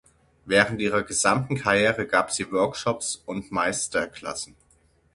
Während ihrer gesamten Karriere gab sie Workshops und Meisterklassen.